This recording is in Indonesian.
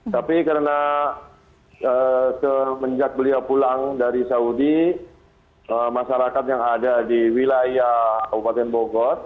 tapi karena semenjak beliau pulang dari saudi masyarakat yang ada di wilayah kabupaten bogor